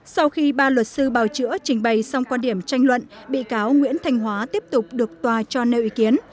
sau khi ba luật sư bào chữa trình bày xong quan điểm tranh luận bị cáo nguyễn thành hóa tiếp tục được tòa cho nêu ý kiến